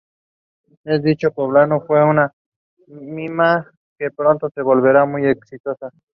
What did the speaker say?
En dicho poblado, fundó una mina que pronto se volvería muy exitosa.